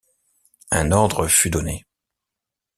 Un ordre fut donné.